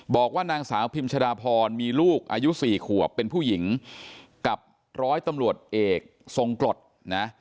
บอกว่านางสาวพิมชดาพรมีลูกอายุ๔ขวบเป็นผู้หญิงกับร้อยตำรวจเอกทรงกรดนะ